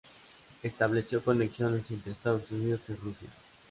Estableció conexiones entre Estados Unidos y Rusia.